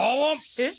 えっ？